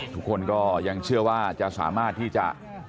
ทุกคนก็ยังเชื่อว่าจะสามารถที่จะ